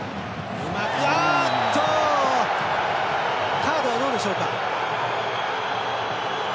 カードは、どうでしょうか。